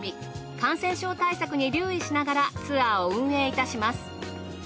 感染症対策に留意しながらツアーを運営いたします。